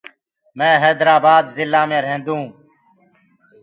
مينٚ هيدرآبآد جلآ مي ريهدونٚ.